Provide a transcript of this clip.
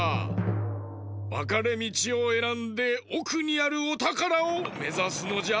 わかれみちをえらんでおくにあるおたからをめざすのじゃ。